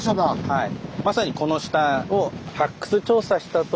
はい。